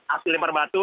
asli lempar batu